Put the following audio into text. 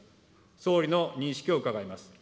総理の認識を伺います。